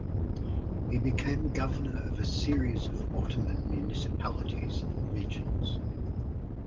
He became Governor of a series of Ottoman municipalities and regions.